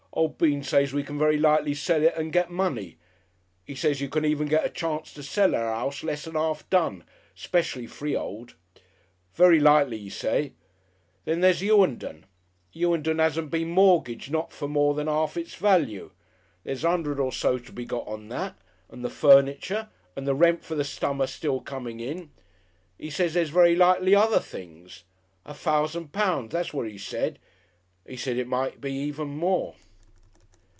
O' Bean says we can very likely sell it and get money. 'E says you often get a chance to sell a 'ouse lessen 'arf done, 'specially free'old. Very likely, 'e say. Then there's Hughenden. Hughenden 'asn't been mortgaged not for more than 'arf its value. There's a 'undred or so to be got on that, and the furniture and the rent for the summer still coming in. 'E says there's very likely other things. A fousand pounds, that's what 'e said. 'E said it might even be more."...